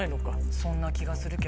そんな気がするけど。